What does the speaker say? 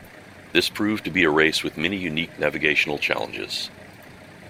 This proved to be a race with many unique navigational challenges.